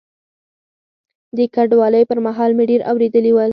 د کډوالۍ پر مهال مې ډېر اورېدلي ول.